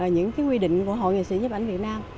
những quy định của hội nghệ sĩ nhiếp ảnh việt nam